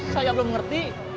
saya belum ngerti